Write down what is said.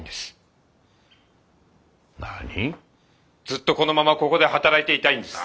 ずっとこのままここで働いていたいんです。